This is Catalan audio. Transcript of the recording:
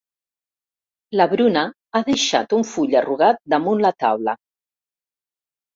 La Bruna ha deixat un full arrugat damunt la taula.